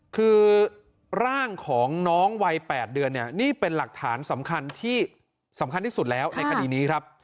คือร่างของน้องวัย๘เดือนเนี่ยนี่เป็นหลักฐานสำคัญที่สำคัญที่สุดแล้วในคดีนี้ครับ